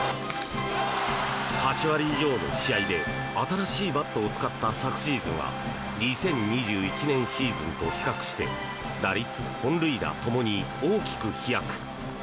８割以上の試合で新しいバットを使った昨シーズンは２０２１年シーズンと比較して打率、本塁打ともに大きく飛躍。